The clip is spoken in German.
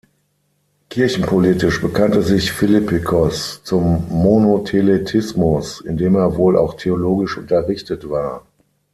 Kirchenpolitisch bekannte sich Philippikos zum Monotheletismus, in dem er wohl auch theologisch unterrichtet war.